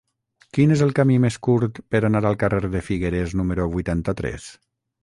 Quin és el camí més curt per anar al carrer de Figueres número vuitanta-tres?